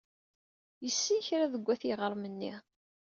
Yessen kra seg wayt yiɣrem-nni.